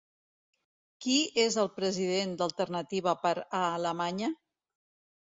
Qui és el president d'Alternativa per a Alemanya?